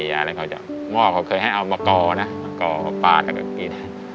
เมื่อเคยให้เอามะก่ามะก่อแล้วปลาดแล้วกัน